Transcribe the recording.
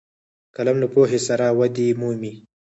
قلم له پوهې سره ودې مومي